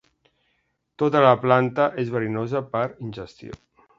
Tota la planta és verinosa per ingestió.